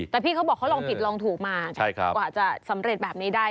แต่พี่เขาบอกเขาลองผิดลองถูกมากว่าจะสำเร็จแบบนี้ได้